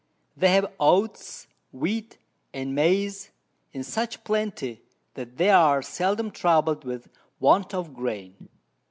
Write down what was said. They have Oats, Wheat and Maiz in such plenty, that they are seldom troubled with Want of Grain.